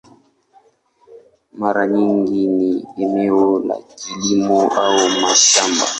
Mara nyingi ni eneo la kilimo au mashamba.